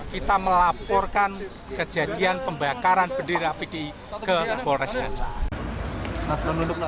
kita melaporkan kejadian pembakaran bendera pdip ke polres nganjuk